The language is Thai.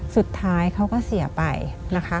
สุดท้ายเขาก็เสียไปนะคะ